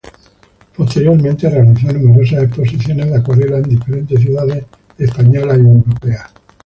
Posteriormente realizó numerosas exposiciones de acuarelas en diferentes ciudades españolas y europeas.